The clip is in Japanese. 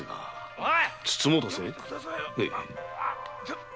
おい！